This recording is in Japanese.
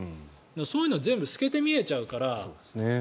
そういうのは全部透けて見えちゃうから。